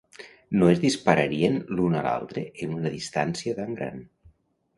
No es dispararien l'un a l'altre en una distància tan gran.